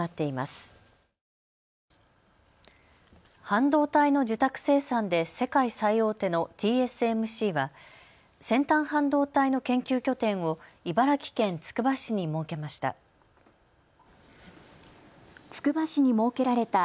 半導体の受託生産で世界最大手のＴＳＭＣは先端半導体の研究拠点を茨城県つくば市に設けました。